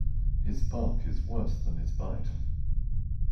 His bark is worse than his bite.